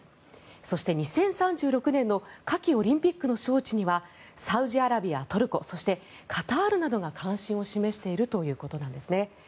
そして、２０３６年の夏季オリンピックの招致にはサウジアラビア、トルコそしてカタールなどが関心を示しているということなんですね。